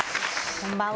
こんばんは。